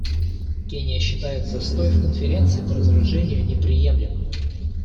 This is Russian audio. Кения считает застой в Конференции по разоружению неприемлемым.